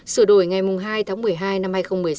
sửa đổi ngày hai tháng một mươi hai năm hai nghìn một mươi sáu